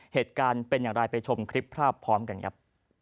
เหตุการณ์เป็นอย่างไรไปชมคลิปภาพพร้อมกันครับ